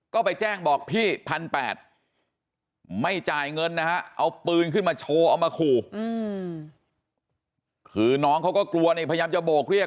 ก็ไปแจ้งบอกพี่๑๘๐๐ไม่จ่ายเงินนะฮะเอาปืนขึ้นมาโชว์เอามาขู่คือน้องเขาก็กลัวนี่พยายามจะโบกเรียก